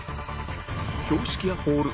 標識やポール